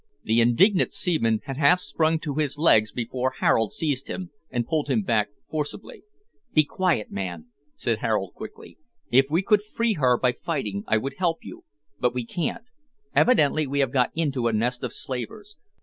The indignant seaman had half sprung to his legs before Harold seized and pulled him forcibly back. "Be quiet man," said Harold quickly. "If we could free her by fighting, I would help you, but we can't. Evidently we have got into a nest of slavers.